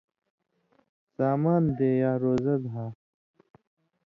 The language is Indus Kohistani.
سامان دے یا روزہ دھا،